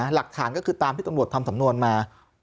หลักฐานก็คือตามที่ตำรวจทำสำนวนมา